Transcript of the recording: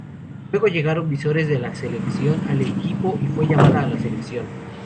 Luego llegaron visores de la selección al equipo y fue llamada a la Selección.